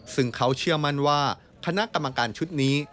ซึ่งเขาเชื่อมั่นว่าคณะกรรมการชุดนี้